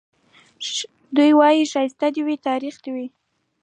دی وايي ښايستې دي وي ترخې دي وي